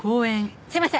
すいません。